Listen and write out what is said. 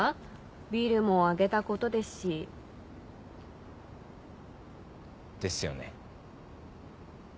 ビールもあげたことですし。ですよね。